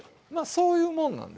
そういうもんなんですよ。